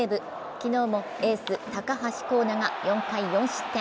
昨日もエース高橋光成が４回４失点。